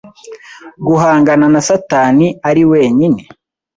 guhangana na Satani ari wenyine!